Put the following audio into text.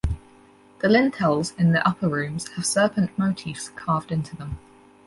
The lintels in the upper rooms have serpent motifs carved into them.